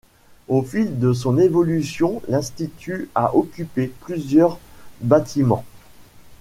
Au fil de son évolution, l'Institut a occupé plusieurs bâtiments.